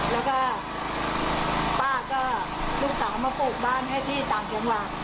แล้วก็ป้าก็ลูกสาวมาปลูกบ้านให้ที่ต่างจังหวัด